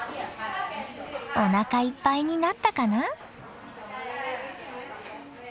おなかいっぱいになったかな？